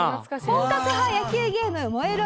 本格派野球ゲーム『燃えろ！！